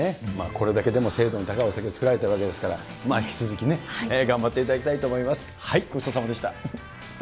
これだけもう精度の高いお酒を造られたわけですから、引き続きね、頑張っていただきたいと思います。